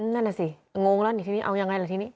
นั่นสิงงแล้วเอายังไงล่ะที่นี่